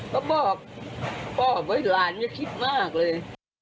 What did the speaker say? ก็บอกบอกเฮ้ยหลานคิดมากเลย